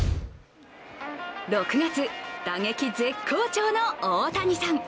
６月、打撃絶好調の大谷さん。